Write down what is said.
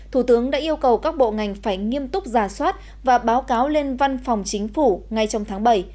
thủ tướng đã yêu cầu các bộ ngành phải nghiêm túc giả soát và báo cáo lên văn phòng chính phủ ngay trong tháng bảy